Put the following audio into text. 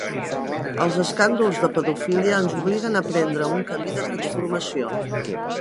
Els escàndols de pedofília ens obliguen a prendre un camí de transformació.